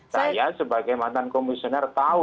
saya sebagai mantan komisioner tahu